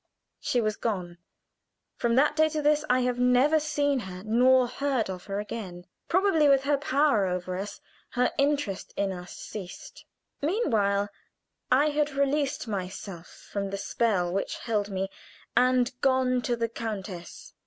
She was gone. From that day to this I have never seen her nor heard of her again. Probably with her power over us her interest in us ceased. Meanwhile I had released myself from the spell which held me, and gone to the countess.